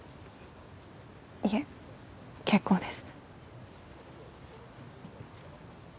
いえ結構です。